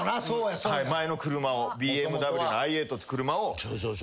前の車をＢＭＷのｉ８って車を。